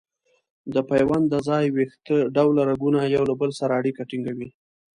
د پیوند د ځای ویښته ډوله رګونه یو له بل سره اړیکه ټینګوي.